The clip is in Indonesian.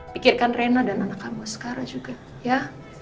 pikirkan rena dan anak kamu sekarang juga ya